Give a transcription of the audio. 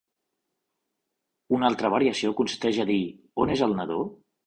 Una altra variació consisteix a dir "" On és el nadó?